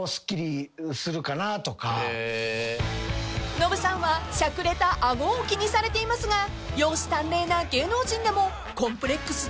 ［ノブさんはしゃくれた顎を気にされていますが容姿端麗な芸能人でもコンプレックスってあるんですか？］